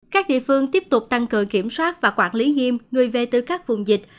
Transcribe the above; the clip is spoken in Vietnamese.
các địa phương tiếp tục tăng cường kiểm soát và quản lý nghiêm người về từ các vùng dịch